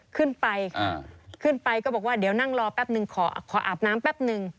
ขึ้นไปค่ะขึ้นไปก็บอกว่าเดี๋ยวนั่งรอแป๊บนึงขออาบน้ำแป๊บนึง